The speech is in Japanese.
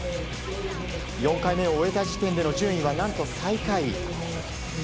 ４回目を終えた時点での順位は何と最下位。